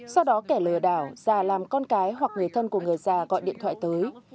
sau đó kẻ lừa đảo già làm con cái hoặc người thân của người già gọi điện thoại tới